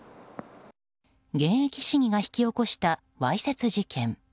現役市議が引き起こしたわいせつ事件。